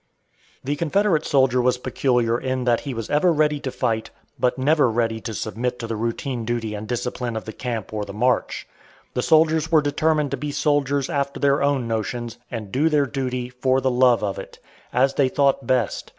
The Confederate soldier was peculiar in that he was ever ready to fight, but never ready to submit to the routine duty and discipline of the camp or the march. The soldiers were determined to be soldiers after their own notions, and do their duty, for the love of it, as they thought best.